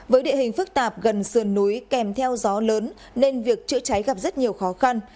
với địa hình phức tạp gần sườn núi kèm theo gió lớn nên việc chữa cháy gặp rất nhiều khó khăn